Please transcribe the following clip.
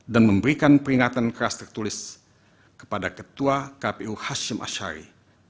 dan memberikan peringatan keras tertulis kepada ketua kpu hashim ashari